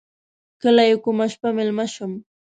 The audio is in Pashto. کله یې کومه شپه میلمه شم.